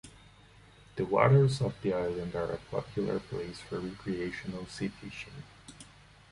The waters off the island are a popular place for recreational sea fishing.